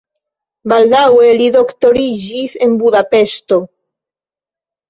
Baldaŭe li doktoriĝis en Budapeŝto.